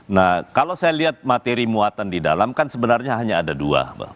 nah kalau saya lihat materi muatan di dalam kan sebenarnya hanya ada dua